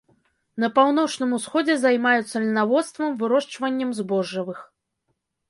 На паўночным усходзе займаюцца льнаводствам, вырошчваннем збожжавых.